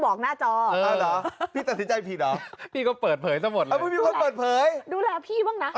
บอกหน้าจอตัดสินใจผิดหมดดูแลพี่บ้างนะ